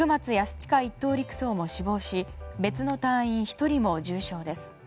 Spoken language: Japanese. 親１等陸曹も死亡し別の隊員１人も重傷です。